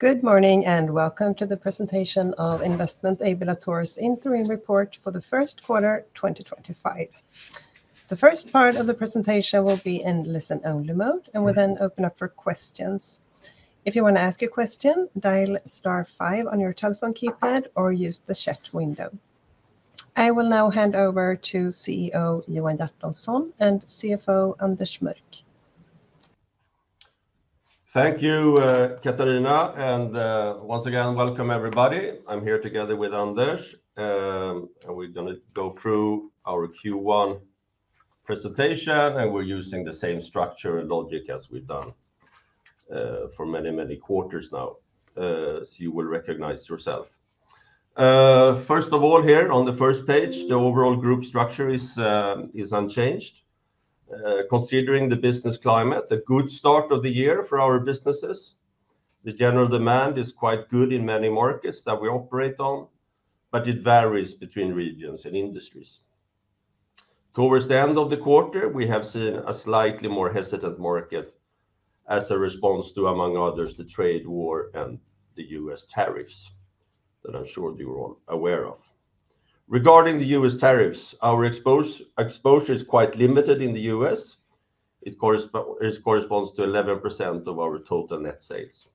Good morning and welcome to the presentation of Investment AB Latour's Interim Report for the first quarter 2025. The first part of the presentation will be in listen-only mode, and we'll then open up for questions. If you want to ask a question, dial star five on your telephone keypad or use the chat window. I will now hand over to CEO Johan Hjertonsson and CFO Anders Mörck. Thank you, Katarina, and once again, welcome everybody. I'm here together with Anders, and we're going to go through our Q1 presentation, and we're using the same structure and logic as we've done for many, many quarters now, as you will recognize yourself. First of all, here on the first page, the overall group structure is unchanged. Considering the business climate, a good start of the year for our businesses. The general demand is quite good in many markets that we operate on, but it varies between regions and industries. Towards the end of the quarter, we have seen a slightly more hesitant market as a response to, among others, the trade war and the US tariffs that I'm sure you're all aware of. Regarding the US tariffs, our exposure is quite limited in the US. It corresponds to 11% of our total net sales.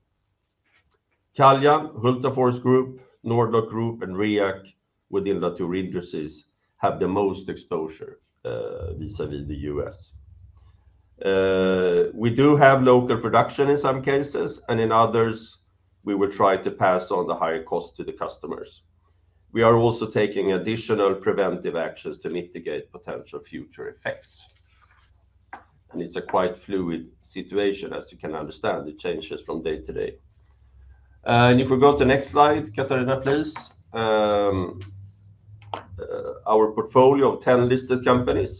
Caljan, Hultafors Group, Nord-Lock Group, and REAC within Latour Industries have the most exposure vis-à-vis the U.S. We do have local production in some cases, and in others, we will try to pass on the higher cost to the customers. We are also taking additional preventive actions to mitigate potential future effects. It is a quite fluid situation, as you can understand. It changes from day to day. If we go to the next slide, Katarina, please. Our portfolio of 10 listed companies,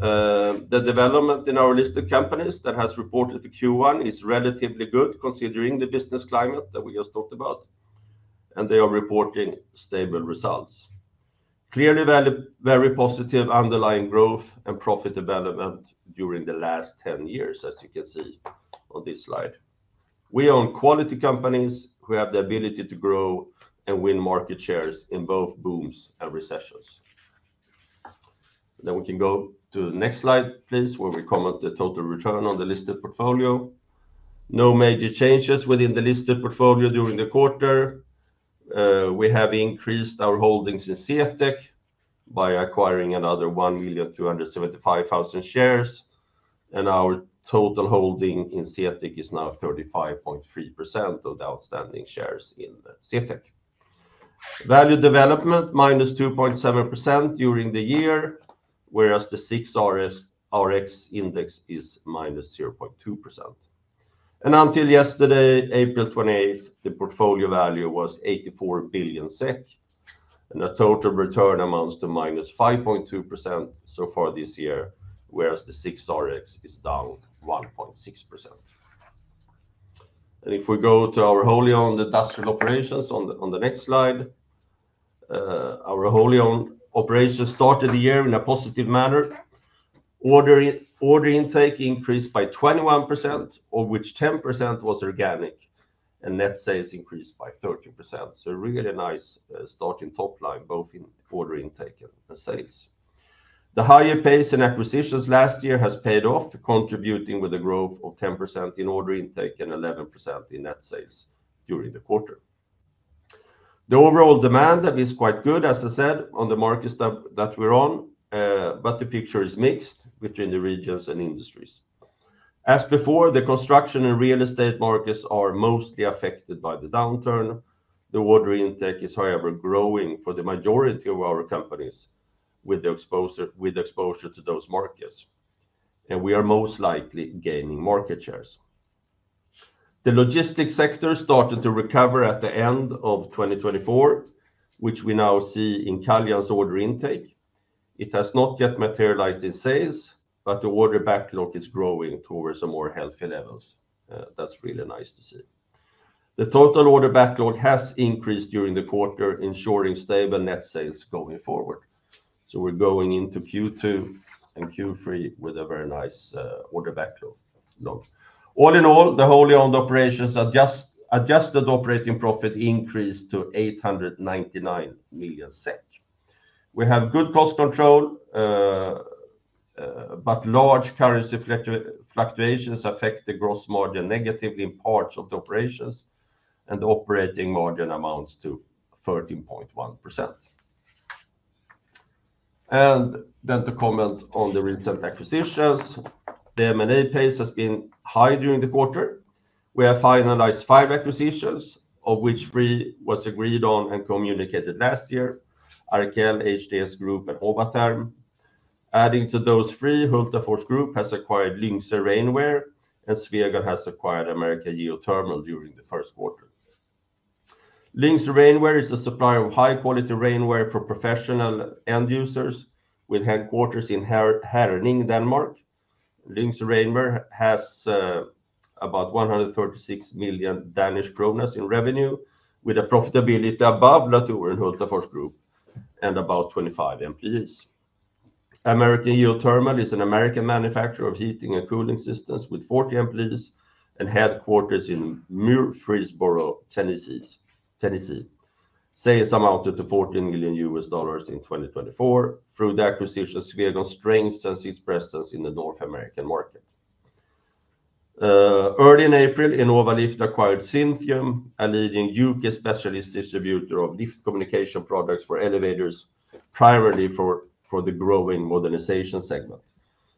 the development in our listed companies that has reported the Q1 is relatively good considering the business climate that we just talked about, and they are reporting stable results. Clearly, very positive underlying growth and profit development during the last 10 years, as you can see on this slide. We own quality companies who have the ability to grow and win market shares in both booms and recessions. We can go to the next slide, please, where we comment the total return on the listed portfolio. No major changes within the listed portfolio during the quarter. We have increased our holdings in CTEK by acquiring another 1,275,000 shares, and our total holding in CTEK is now 35.3% of the outstanding shares in CTEK. Value development minus 2.7% during the year, whereas the SIXRX index is minus 0.2%. Until yesterday, April 28, the portfolio value was 84 billion SEK, and the total return amounts to minus 5.2% so far this year, whereas the SIXRX is down 1.6%. If we go to our wholly owned industrial operations on the next slide, our wholly owned operations started the year in a positive manner. Order intake increased by 21%, of which 10% was organic, and net sales increased by 30%. Really a nice starting top line, both in order intake and sales. The higher pace in acquisitions last year has paid off, contributing with a growth of 10% in order intake and 11% in net sales during the quarter. The overall demand is quite good, as I said, on the markets that we're on, but the picture is mixed between the regions and industries. As before, the construction and real estate markets are mostly affected by the downturn. The order intake is, however, growing for the majority of our companies with exposure to those markets, and we are most likely gaining market shares. The logistics sector started to recover at the end of 2024, which we now see in Caljan's order intake. It has not yet materialized in sales, but the order backlog is growing towards some more healthy levels. That is really nice to see. The total order backlog has increased during the quarter, ensuring stable net sales going forward. We are going into Q2 and Q3 with a very nice order backlog. All in all, the wholly owned operations' adjusted operating profit increased to 899 million SEK. We have good cost control, but large currency fluctuations affect the gross margin negatively in parts of the operations, and the operating margin amounts to 13.1%. To comment on the recent acquisitions, the M&A pace has been high during the quarter. We have finalized five acquisitions, of which three were agreed on and communicated last year: Arkel, HDS Group, and Howatherm. Adding to those three, Hultafors Group has acquired Lyngsøe Rainwear, and Swegon has acquired American Geothermal during the first quarter. Lyngsøe Rainwear is a supplier of high-quality rainware for professional end users with headquarters in Herning, Denmark. Lyngsøe Rainwear has about 136 million Danish kroner in revenue, with a profitability above Latour and Hultafors Group and about 25 employees. American Geothermal is an American manufacturer of heating and cooling systems with 40 employees and headquarters in Murfreesboro, Tennessee. Sales amounted to $14 million in 2024. Through the acquisition, Swegon strengthens its presence in the North American market. Early in April, Innovalift acquired Syntium, a leading U.K. specialist distributor of lift communication products for elevators, primarily for the growing modernization segment.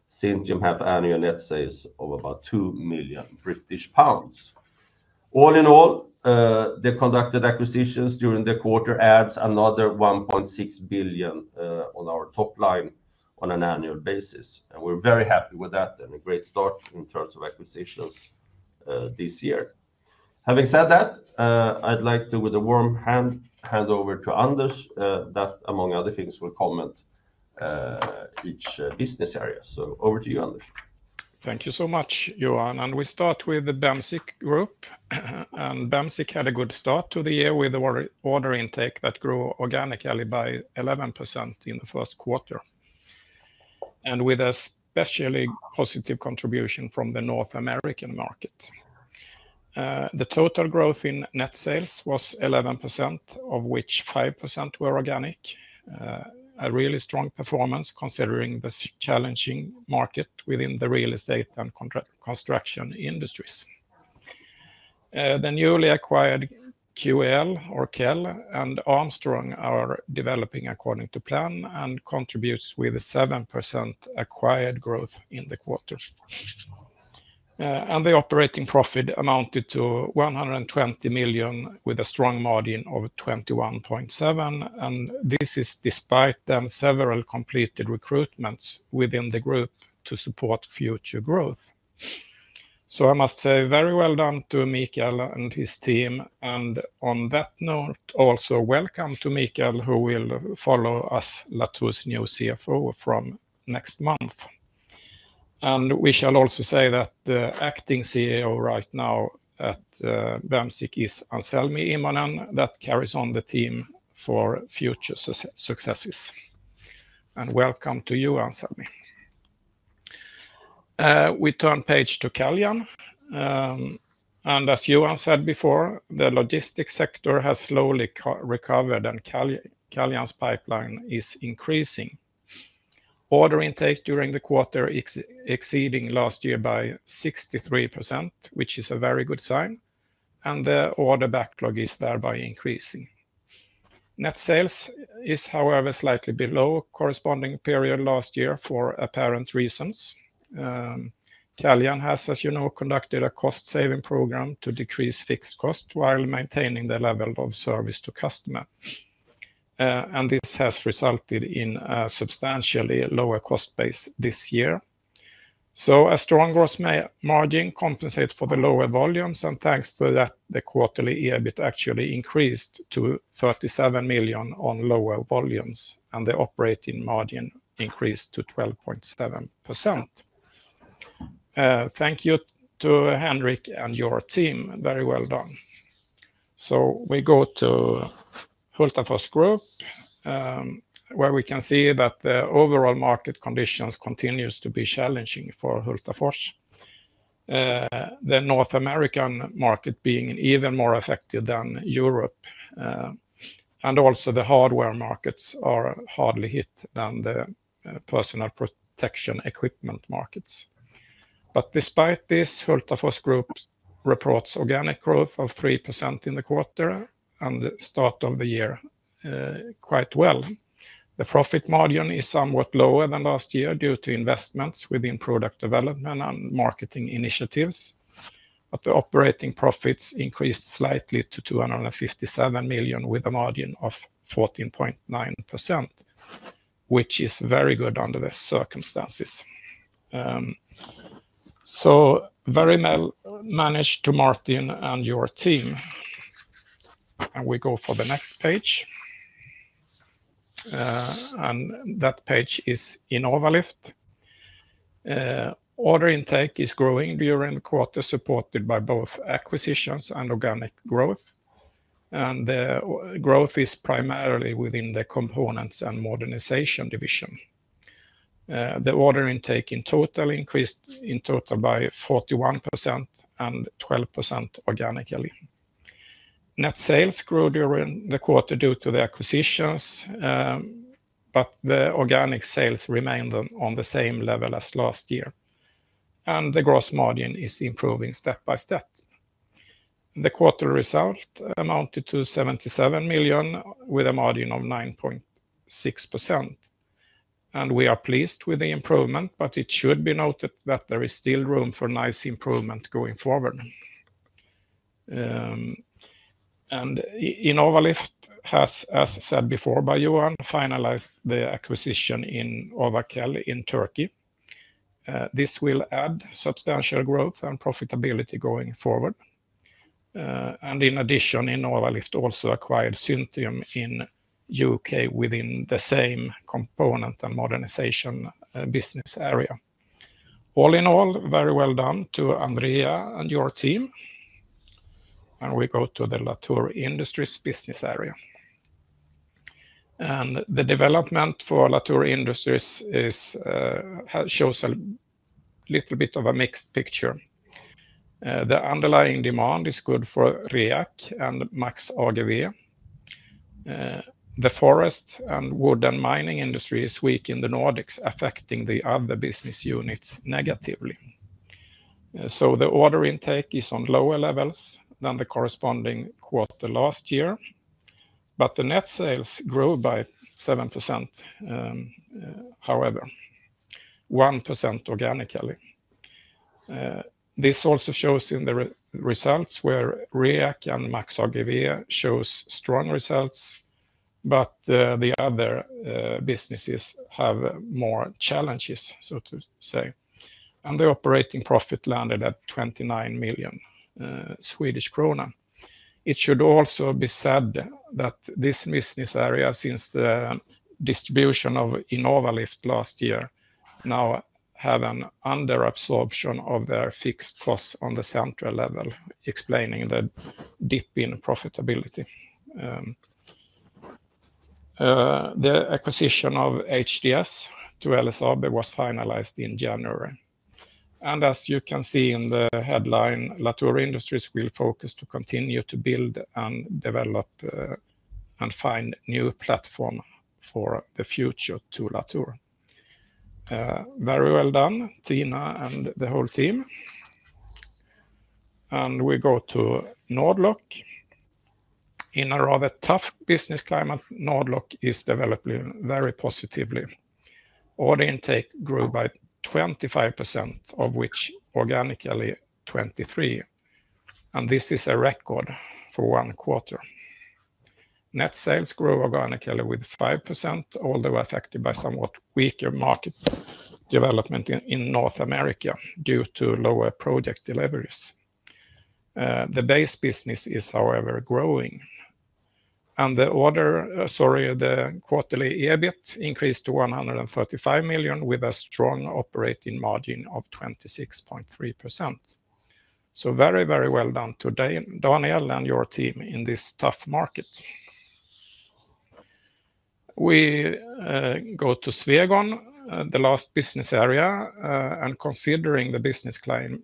Syntium has annual net sales of about 2 million British pounds. All in all, the conducted acquisitions during the quarter add another 1.6 billion on our top line on an annual basis, and we're very happy with that and a great start in terms of acquisitions this year. Having said that, I'd like to, with a warm hand, hand over to Anders, that among other things, will comment each business area. Over to you, Anders. Thank you so much, Johan. We start with the Bemsiq Group, and Bemsiq had a good start to the year with the order intake that grew organically by 11% in the first quarter, with a specially positive contribution from the North American market. The total growth in net sales was 11%, of which 5% were organic. A really strong performance considering the challenging market within the real estate and construction industries. The newly acquired [QL], Arkel, and Armstrong are developing according to plan and contribute with a 7% acquired growth in the quarter. The operating profit amounted to 120 million, with a strong margin of 21.7%, and this is despite several completed recruitments within the group to support future growth. I must say very well done to Mikael and his team, and on that note, also welcome to Mikael, who will follow as Latour's new CFO from next month. We shall also say that the acting CEO right now at Bemsiq is Anselmi Immonen, that carries on the team for future successes. Welcome to you, Anselmi. We turn page to Caljan, and as Johan said before, the logistics sector has slowly recovered and Caljan's pipeline is increasing. Order intake during the quarter exceeded last year by 63%, which is a very good sign, and the order backlog is thereby increasing. Net sales is, however, slightly below the corresponding period last year for apparent reasons. Caljan has, as you know, conducted a cost-saving program to decrease fixed costs while maintaining the level of service to customers, and this has resulted in a substantially lower cost base this year. A strong gross margin compensates for the lower volumes, and thanks to that, the quarterly EBIT actually increased to 37 million on lower volumes, and the operating margin increased to 12.7%. Thank you to Henrik and your team. Very well done. We go to Hultafors Group, where we can see that the overall market conditions continue to be challenging for Hultafors, the North American market being even more affected than Europe, and also the hardware markets are hardly hit than the personal protection equipment markets. Despite this, Hultafors Group reports organic growth of 3% in the quarter and the start of the year quite well. The profit margin is somewhat lower than last year due to investments within product development and marketing initiatives, but the operating profits increased slightly to 257 million with a margin of 14.9%, which is very good under the circumstances. Very well managed to Martin and your team. We go for the next page. That page is Innovalift. Order intake is growing during the quarter, supported by both acquisitions and organic growth, and the growth is primarily within the components and modernization division. The order intake in total increased in total by 41% and 12% organically. Net sales grew during the quarter due to the acquisitions, but the organic sales remained on the same level as last year, and the gross margin is improving step by step. The quarterly result amounted to 77 million with a margin of 9.6%, and we are pleased with the improvement, but it should be noted that there is still room for nice improvement going forward. Innovalift has, as said before by Johan, finalized the acquisition in Arkel in Turkey. This will add substantial growth and profitability going forward. In addition, Innovalift also acquired Syntium in the U.K. within the same component and modernization business area. All in all, very well done to Andrea and your team. We go to the Latour Industries business area. The development for Latour Industries shows a little bit of a mixed picture. The underlying demand is good for REAC and Max AGV. The forest and wooden mining industry is weak in the Nordics, affecting the other business units negatively. The order intake is on lower levels than the corresponding quarter last year, but the net sales grew by 7%, however, 1% organically. This also shows in the results where REAC and Max AGV show strong results, but the other businesses have more challenges, so to say. The operating profit landed at 29 million Swedish krona. It should also be said that this business area, since the distribution of Innovalift last year, now has an under-absorption of their fixed costs on the central level, explaining the dip in profitability. The acquisition of HDS to LSAB was finalized in January. As you can see in the headline, Latour Industries will focus to continue to build and develop and find new platforms for the future to Latour. Very well done, Tina and the whole team. We go to Nord-Lock. In a rather tough business climate, Nord-Lock is developing very positively. Order intake grew by 25%, of which organically 23%, and this is a record for one quarter. Net sales grew organically with 5%, although affected by somewhat weaker market development in North America due to lower project deliveries. The base business is, however, growing. The order, sorry, the quarterly EBIT increased to 135 million with a strong operating margin of 26.3%. Very, very well done to Daniel and your team in this tough market. We go to Swegon, the last business area, and considering the business climate,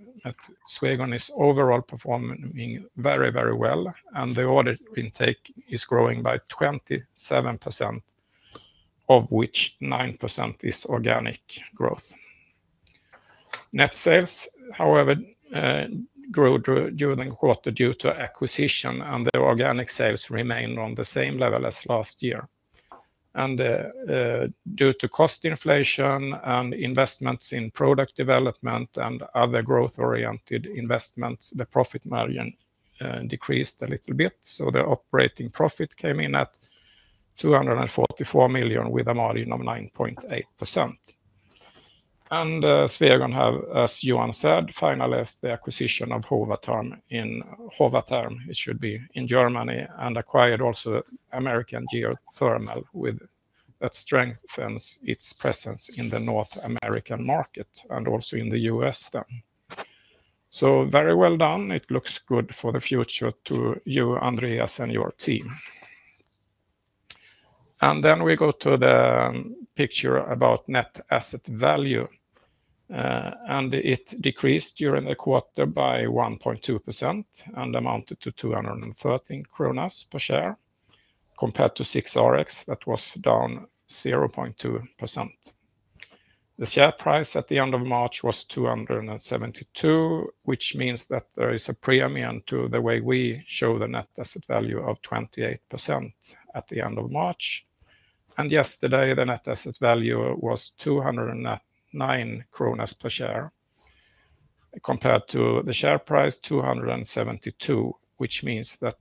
Swegon is overall performing very, very well, and the order intake is growing by 27%, of which 9% is organic growth. Net sales, however, grew during the quarter due to acquisition, and the organic sales remained on the same level as last year. Due to cost inflation and investments in product development and other growth-oriented investments, the profit margin decreased a little bit, so the operating profit came in at 244 million with a margin of 9.8%. Swegon has, as Johan said, finalized the acquisition of Howatherm, it should be in Germany, and acquired also American Geothermal, which strengthens its presence in the North American market and also in the U.S. then. Very well done. It looks good for the future to you, Andrea, and your team. We go to the picture about net asset value, and it decreased during the quarter by 1.2% and amounted to 213 kronor per share compared to SIXRX, that was down 0.2%. The share price at the end of March was 272, which means that there is a premium to the way we show the net asset value of 28% at the end of March. Yesterday, the net asset value was 209 kronor per share compared to the share price 272, which means that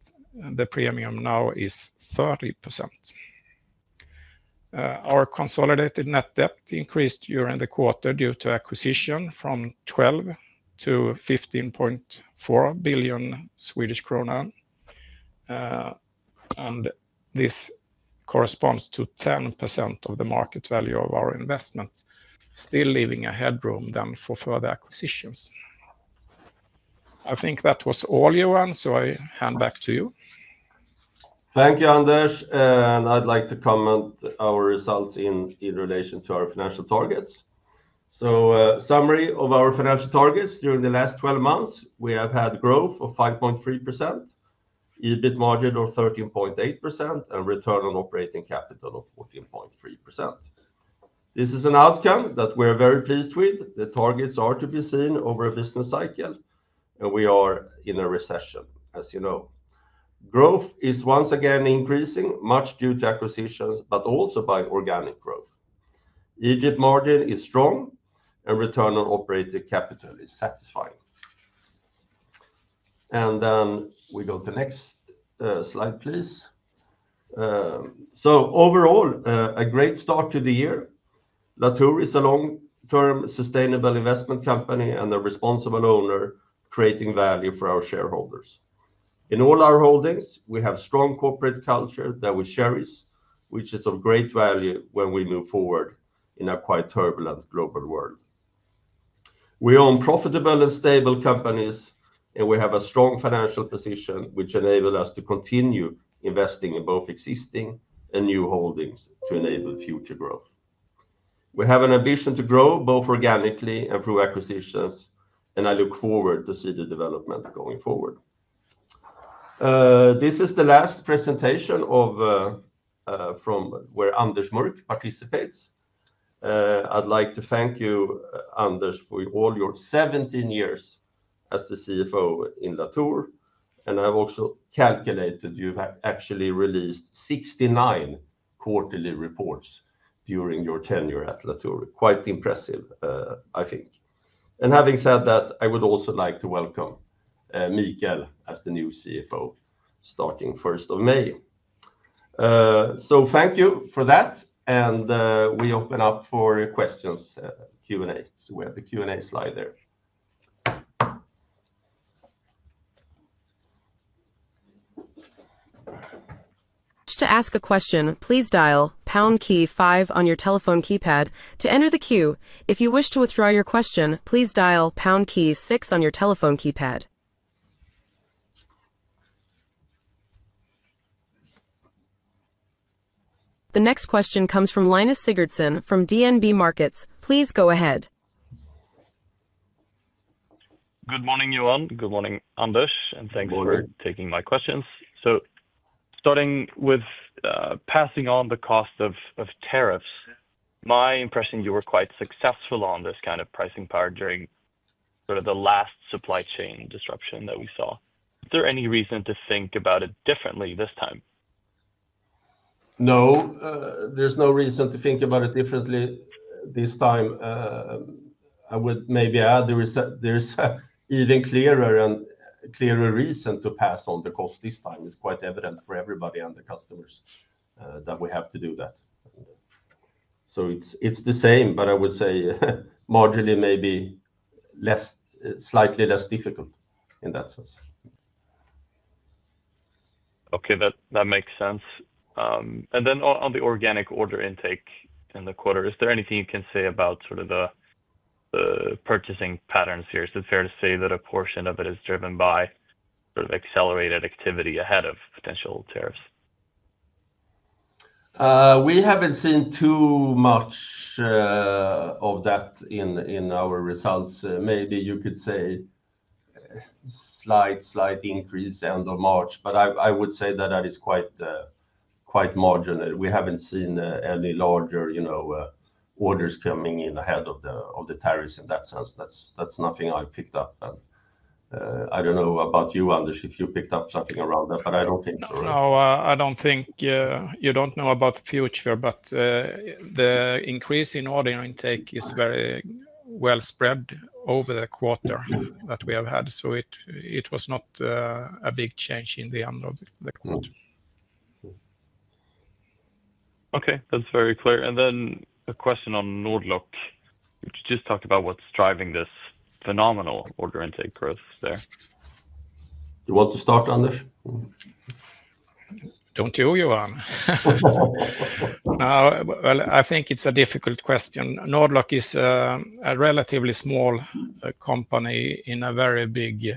the premium now is 30%. Our consolidated net debt increased during the quarter due to acquisition from 12 billion to 15.4 billion Swedish krona, and this corresponds to 10% of the market value of our investment, still leaving a headroom then for further acquisitions. I think that was all, Johan, so I hand back to you. Thank you, Anders, and I'd like to comment on our results in relation to our financial targets. A summary of our financial targets: during the last 12 months, we have had growth of 5.3%, EBIT margin of 13.8%, and return on operating capital of 14.3%. This is an outcome that we are very pleased with. The targets are to be seen over a business cycle, and we are in a recession, as you know. Growth is once again increasing, much due to acquisitions, but also by organic growth. EBIT margin is strong, and return on operating capital is satisfying. We go to the next slide, please. Overall, a great start to the year. Latour is a long-term sustainable investment company and a responsible owner creating value for our shareholders. In all our holdings, we have a strong corporate culture that we cherish, which is of great value when we move forward in a quite turbulent global world. We own profitable and stable companies, and we have a strong financial position, which enables us to continue investing in both existing and new holdings to enable future growth. We have an ambition to grow both organically and through acquisitions, and I look forward to see the development going forward. This is the last presentation from where Anders Mörck participates. I'd like to thank you, Anders, for all your 17 years as the CFO in Latour, and I've also calculated you've actually released 69 quarterly reports during your tenure at Latour. Quite impressive, I think. Having said that, I would also like to welcome Mikael as the new CFO, starting 1st of May. Thank you for that, and we open up for questions, Q&A. We have the Q&A slide there. To ask a question, please dial pound key five on your telephone keypad to enter the queue. If you wish to withdraw your question, please dial pound key six on your telephone keypad. The next question comes from Linus Sigurdson from DNB Markets. Please go ahead. Good morning, Johan. Good morning, Anders, and thanks for taking my questions. Starting with passing on the cost of tariffs, my impression is you were quite successful on this kind of pricing power during sort of the last supply chain disruption that we saw. Is there any reason to think about it differently this time? No, there's no reason to think about it differently this time. I would maybe add there's an even clearer reason to pass on the cost this time. It's quite evident for everybody and the customers that we have to do that. It is the same, but I would say marginally maybe slightly less difficult in that sense. Okay, that makes sense. Then on the organic order intake in the quarter, is there anything you can say about sort of the purchasing patterns here? Is it fair to say that a portion of it is driven by sort of accelerated activity ahead of potential tariffs? We haven't seen too much of that in our results. Maybe you could say slight, slight increase end of March, but I would say that that is quite marginal. We haven't seen any larger orders coming in ahead of the tariffs in that sense. That's nothing I picked up. I don't know about you, Anders, if you picked up something around that, but I don't think so. No, I don't think you don't know about the future, but the increase in order intake is very well spread over the quarter that we have had, so it was not a big change in the end of the quarter. Okay, that's very clear. A question on Nord-Lock, which just talked about what's driving this phenomenal order intake growth there. You want to start, Anders? Don't you, Johan? I think it's a difficult question. Nord-Lock is a relatively small company in a very big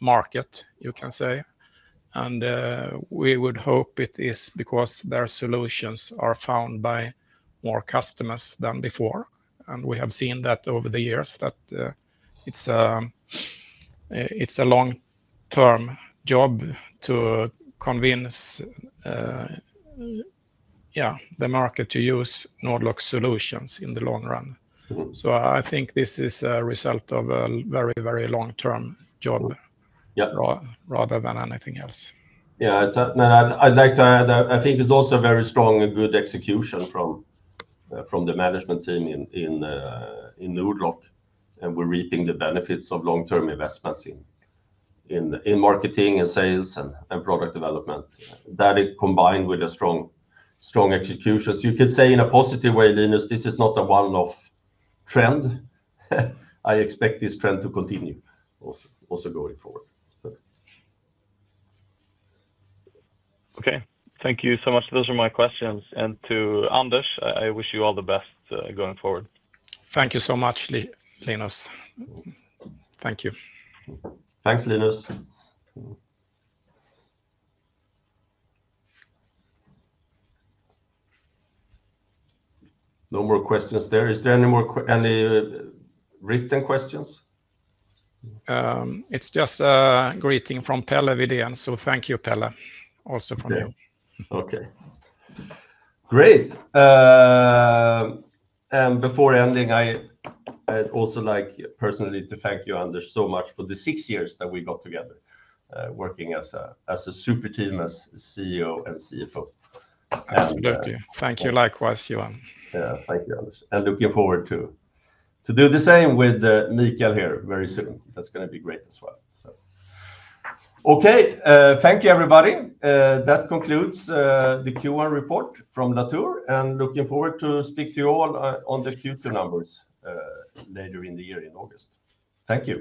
market, you can say, and we would hope it is because their solutions are found by more customers than before. We have seen that over the years, that it's a long-term job to convince, yeah, the market to use Nord-Lock solutions in the long run. I think this is a result of a very, very long-term job rather than anything else. Yeah, I'd like to add, I think it's also very strong and good execution from the management team in Nord-Lock, and we're reaping the benefits of long-term investments in marketing and sales and product development. That combined with a strong execution, you could say in a positive way, Linus, this is not a one-off trend. I expect this trend to continue also going forward. Okay, thank you so much. Those are my questions. To Anders, I wish you all the best going forward. Thank you so much, Linus. Thank you. Thanks, Linus. No more questions there. Is there any written questions? It's just a greeting from Pelle Vidén, so thank you, Pelle, also from you. Okay, great. Before ending, I'd also like personally to thank you, Anders, so much for the six years that we got together working as a super team, as CEO and CFO. Absolutely. Thank you likewise, Johan. Yeah, thank you, Anders. Looking forward to do the same with Mikael here very soon. That's going to be great as well. Okay, thank you, everybody. That concludes the Q1 report from Latour, and looking forward to speak to you all on the Q2 numbers later in the year in August. Thank you.